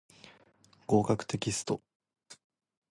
合格テキスト